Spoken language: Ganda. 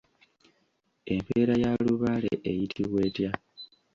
Empeera ya Lubaale eyitibwa etya?